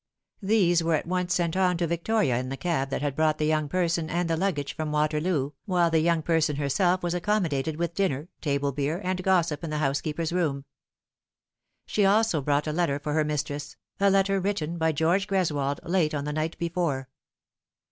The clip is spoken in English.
These were at once sent on to Victoria in the cab that had brought the young person and the luggage from Waterloo, while the young person herself was accommodated with dinner, table beer, and gossip in the house keeper's room. She also brought a letter for her mistress, a letter written by George Greswold late on the night before.